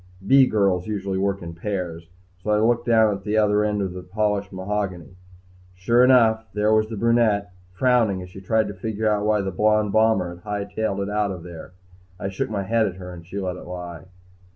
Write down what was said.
B girls usually work in pairs, so I looked down toward the other end of the polished mahogany. Sure enough, there was the brunette, frowning as she tried to figure why the blond bomber had high tailed it out of there. I shook my head at her and she let it lie.